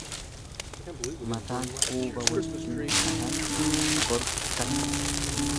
Mataan huuba wajjin dhahan boru hikkata.